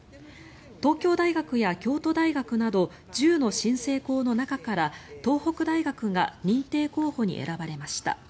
東京大学や京都大学など１０の申請校の中から東北大学が認定候補に選ばれました。